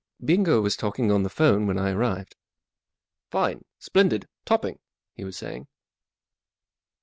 Bingo was talking on the 'phone when I arrived. 44 Fine ! Splendid ! Topping !" he was saying.